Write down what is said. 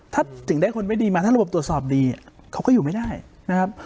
ถ้าถึงได้คนไม่ดีมาถ้าระบบตรวจสอบดีเขาก็อยู่ไม่ได้นะครับ